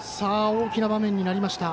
大きな場面になりました